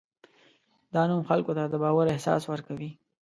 دا نوم خلکو ته د باور احساس ورکوي.